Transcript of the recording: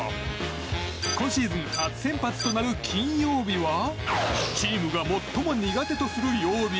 今シーズン初先発となる金曜日はチームが最も苦手とする曜日。